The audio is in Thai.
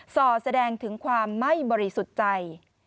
ส่อแสดงถึงความไม่บริสุจัย